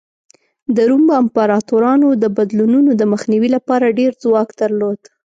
د روم امپراتورانو د بدلونونو د مخنیوي لپاره ډېر ځواک درلود